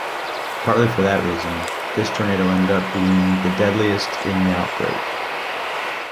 Partly for that reason, this tornado ended up being the deadliest in the outbreak.